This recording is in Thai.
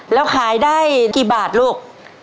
แล้วขายได้กี่บาทลูก